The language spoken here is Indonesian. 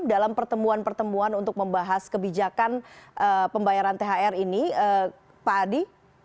dalam pertemuan pertemuan untuk membahas kebijakan pembayaran thr ini pak adi